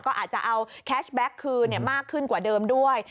ก็อาจจะเอาแคชแบ็คคืนมากขึ้นกว่าเดิมด้วย